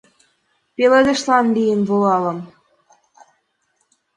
Пеледышлан лийын волальым.